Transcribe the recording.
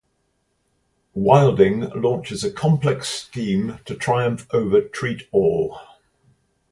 Wilding launches a complex scheme to triumph over Treat-all.